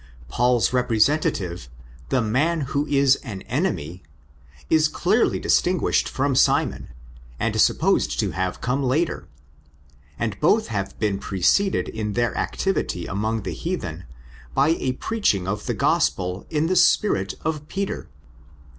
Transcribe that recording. Paul's representative, '' the man who isan enemy "' (inimicus homo, ὃ ἐχθρὸς ἄνθρωπος), is Clearly distinguished from Simon, and is supposed to have come later; and both have been preceded in their activity among the heathen by a preaching of the Gospel in the spirit of Peter.